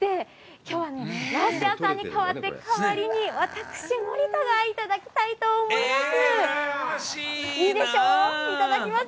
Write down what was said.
きょうはラッシャーさんに代わって、代わりに私、森田がいただきたいと思います。